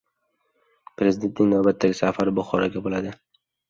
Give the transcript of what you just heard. Prezidentning navbatdagi safari Buxoroga bo‘ladi